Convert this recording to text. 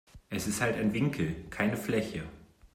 Es ist halt ein Winkel, keine Fläche.